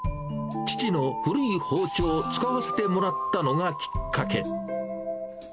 父の古い包丁を使わせてもらったのがきっかけ。